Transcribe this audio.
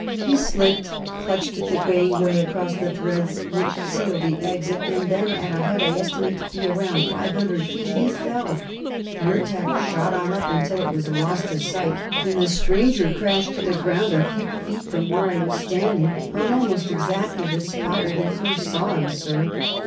He slipped, clutched at the gangway across the threads which seal the exit, and then, at a height I estimate to be around five hundred feet, he fell. The Ertak shot on up until it was lost to sight, and the stranger crashed to the ground a few feet from where I was standing on almost exactly the spot where we first saw him, sir.